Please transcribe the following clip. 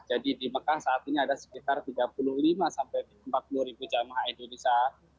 jadi di mekah saat ini ada sekitar tiga puluh lima sampai empat puluh ribu jemaah indonesia